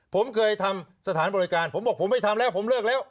ผมเคยทำสถานบริการผมบอกผมไม่ทำแล้วผมเลิกแล้ว